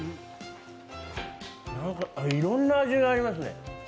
いろんな味がありますね。